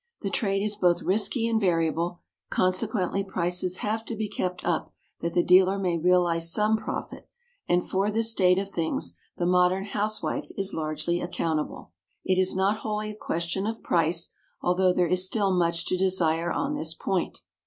The trade is both risky and variable, consequently prices have to be kept up that the dealer may realise some profit, and for this state of things the modern housewife is largely accountable. It is not wholly a question of price, although there is still much to desire on this point.